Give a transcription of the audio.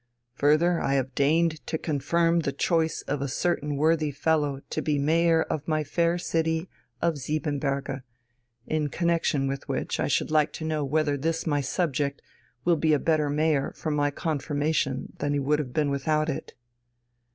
Further, I have deigned to confirm the choice of a certain worthy fellow to be mayor of my fair city of Siebenberge in connection with which I should like to know whether this my subject will be a better mayor for my confirmation than he would have been without it...."